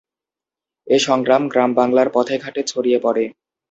এ সংগ্রাম গ্রাম-বাংলার পথে-ঘাটে ছড়িয়ে পড়ে।